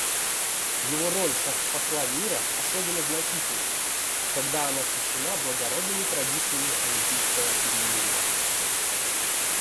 Его роль как посла мира особенно значительна, когда она освящена благородными традициями «олимпийского перемирия».